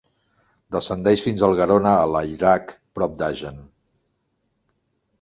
Descendeix fins al Garona a Layrac, prop d'Agen.